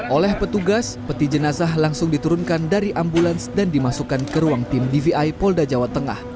oleh petugas peti jenazah langsung diturunkan dari ambulans dan dimasukkan ke ruang tim dvi polda jawa tengah